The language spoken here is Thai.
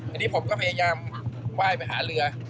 อันนี้ผมก็พยายามไหว้ไปหาเรือ